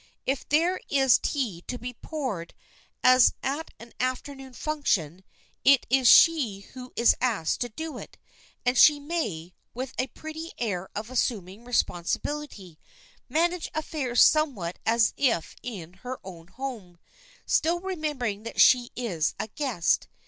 If there is tea to be poured, as at an afternoon function, it is she who is asked to do it, and she may, with a pretty air of assuming responsibility, manage affairs somewhat as if in her own home, still remembering that she is a guest.